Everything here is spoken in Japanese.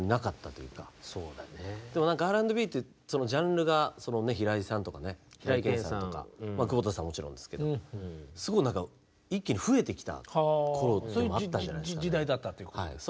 Ｒ＆Ｂっていうそのジャンルが平井堅さんとか久保田さんはもちろんですけど一気に増えてきた頃っていうのもあったんじゃないですか。